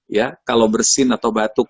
ya kalau bersin atau batuk